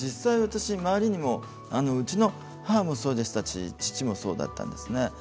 うちの母もそうでしたし、父もそうだったんですね。